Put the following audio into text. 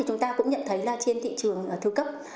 chúng ta cũng nhận thấy trên thị trường thư cấp